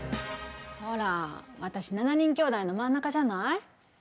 ほら私７人きょうだいの真ん中じゃない？